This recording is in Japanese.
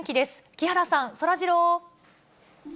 木原さん、そらジロー。